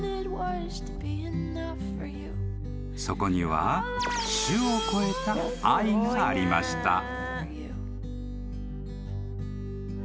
［そこには種を超えた愛がありました］